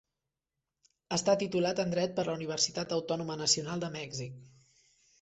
Està titulat en Dret per la Universitat Autònoma Nacional de Mèxic.